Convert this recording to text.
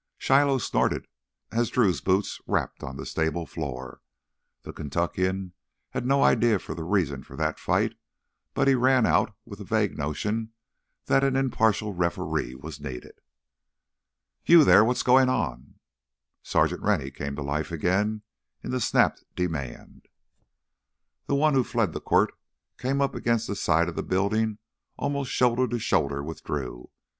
Shiloh snorted as Drew's boots rapped on the stable floor. The Kentuckian had no idea of the reason for that fight, but he ran out with the vague notion that an impartial referee was needed. "You there—what's goin' on!" Sergeant Rennie came to life again in the snapped demand. The one who fled the quirt came up against the side of the building almost shoulder to shoulder with Drew.